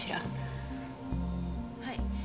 はい。